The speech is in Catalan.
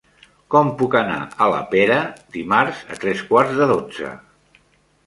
Com puc anar a la Pera dimarts a tres quarts de dotze?